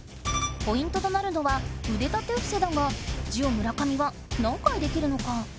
ポイントとなるのはうで立てふせだがジオ村上は何回できるのか？